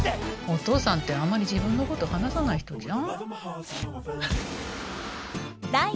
お父さんってあんまり自分のこと話さない人じゃん。